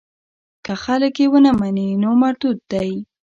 که خلک یې ونه مني نو مردود دی.